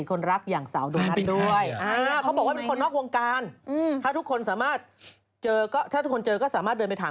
จะกินไข่ก็จริงจังนะ